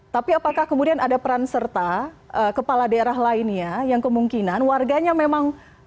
tapi apakah kemudian ada peran serta kepala daerah lainnya yang kemungkinan warganya memang